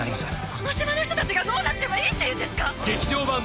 「この島の人たちがどうなってもいいっていうんですか？」